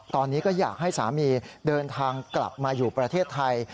ตอนนี้ก็อยากให้สามีเดินทางกลับมาอยู่ประเทศไทย